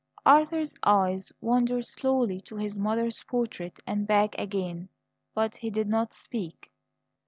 Arthur's eyes wandered slowly to his mother's portrait and back again, but he did not speak.